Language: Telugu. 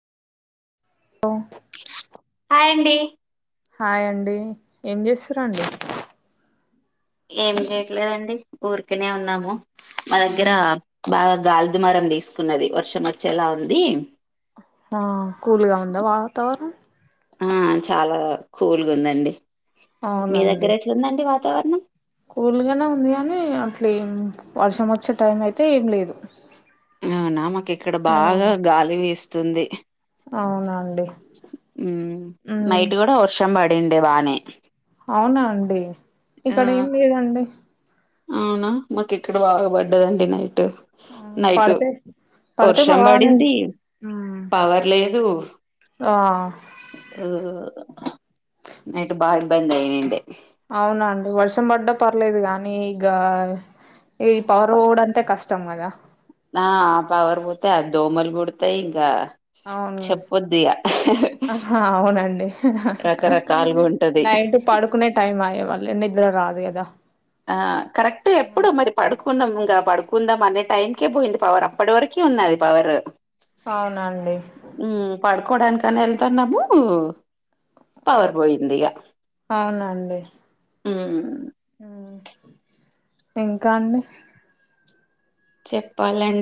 ఓ యండి హాయ్ అండి ఏం చేస్తుర్రండి ఏౕ చేయట్లేదండి ఊరికనే ఉన్నాము మా దగ్గర బాగా గాలి దుమారం తీసుకున్నది వర్షం వచ్చేలా ఉంది ఆ కూల్ గా ఉందా వాతావరణం ఆ చాలా కూల్గ్ గుందండి మీ దగ్గర ఎట్లుందండి వాతావరణం కూల్గనే ఉంది కానీ అట్లేం వర్షం వచ్చే టైం అయితే ఏం లేదు అవునా మాకి ఇక్కడ ఆ బాగా గాలి వీస్తుంది అవునా అన్ ఉమ్ నైట్ కూడా వర్షం పడిండె బానే అవునా అండి ఆ ఇక్కడ ఏం లేదండి అవునా మాకు ఇక్కడ బాగా పడ్డదండి నైటు ఆ నైటు పడితే పడితే వర్షం బాగానే పడింది మ్మ్ పవర్ లేదు ఆ నైట్ బాగ ఇబ్బంది అయ్యిండే అవునండి వర్షం పడ్డా పర్లేదు కగానీ ఇగ ఈ పవర్ బోవుడు అంటే కష్ టం కదా ఆ పవర్ పోతే ఆ దోమలు కుడతాయి ఇంకా అవును చెప్పొద్దిగా అవునండి రకరకాలుగా ఉంటది నైటు పడు కునే టైమ్ ఆయె మళ్ళీ నిద్ర రాదు కదా ఆ కరెక్టు ఎప్పుడు మరి పడుకుందాం ఇంకా పడుకుందాం అనే టైంకే పోయింది పవర్ అప్పుడి వరకి ఉన్నది పవర్ అవునండి ఊ పడుకోవడానికని వెళ్తాన్నాము పవర్ పోయింది ఇగ ఊమ్ ఊ ఇంకా అండి చెప్పాలన్